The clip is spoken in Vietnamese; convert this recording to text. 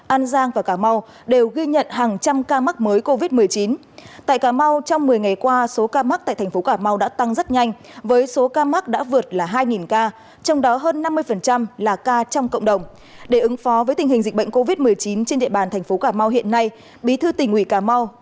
an giang và cả mau đều ghi nhận hàng trăm ca nhiễm